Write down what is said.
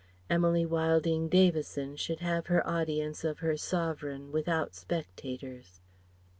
Emily Wilding Davison should have her audience of her Sovereign without spectators.